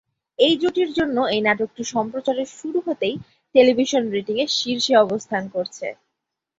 এই জুটির জন্য এই নাটকটি সম্প্রচারের শুরু হতেই টেলিভিশন রেটিং-এর শীর্ষে অবস্থান করছে।